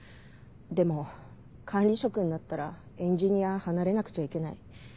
でも管理職になったらエンジニア離れなくちゃいけない。